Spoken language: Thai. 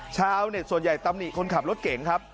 ชาวเน็ตส่วนใหญ่ตำหนิคนขับรถเก่งครับ